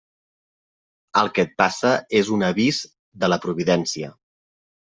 El que et passa és un avís de la Providència.